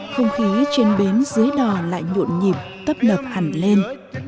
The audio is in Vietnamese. không khí trên bến dưới đò lại nhuộn nhịp tấp lập hẳn lên